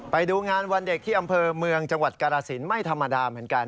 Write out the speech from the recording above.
ไปดูงานวันเด็กที่อำเภอเมืองจังหวัดกรสินไม่ธรรมดาเหมือนกัน